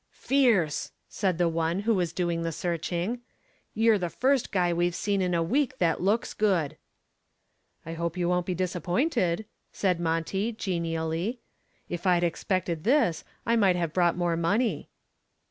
"Fierce!" said the one who was doing the searching. "You're the first guy we've seen in a week that looks good." "I hope you won't be disappointed," said Monty, genially. "If I'd expected this I might have brought more money."